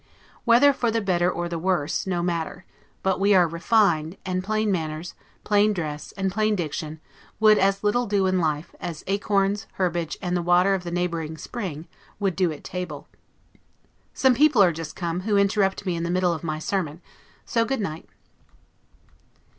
Whether for the better or the worse, no matter; but we are refined; and plain manners, plain dress, and plain diction, would as little do in life, as acorns, herbage, and the water of the neighboring spring, would do at table. Some people are just come, who interrupt me in the middle of my sermon; so good night.